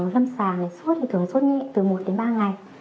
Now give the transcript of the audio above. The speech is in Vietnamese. lâm sàng suốt thường suốt nhiệm từ một đến ba ngày